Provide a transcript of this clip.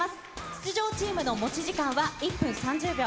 出場チームの持ち時間は１分３０秒。